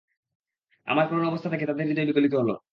আমার করুণ অবস্থা দেখে তাদের হৃদয় বিগলিত হল।